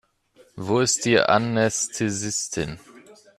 Wo ist die Anästhesistin?